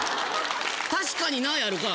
「確かにな」あるか。